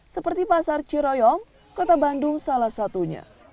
seperti pasar ciroyom kota bandung salah satunya